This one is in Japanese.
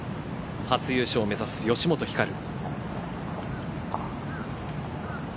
初優勝を目指す吉本ひかる。